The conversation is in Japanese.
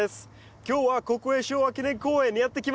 今日は国営昭和記念公園にやって来ました。